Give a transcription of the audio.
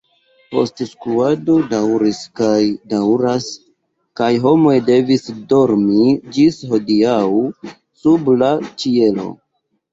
Postskuado daŭris kaj daŭras kaj homoj devis dormi ĝis hodiaŭ sub la ĉielo.